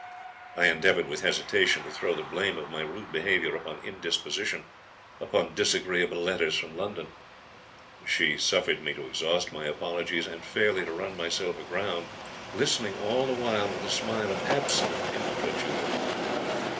I endeavoured with hesitation to throw the blame of my rude behaviour upon indisposition upon disagreeable letters from London. She suffered me to exhaust my apologies, and fairly to run myself aground, listening all the while with a smile of absolute incredulity.